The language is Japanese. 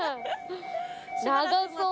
長そう。